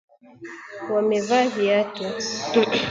Wamevaa viatu